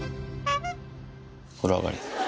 風呂上がり。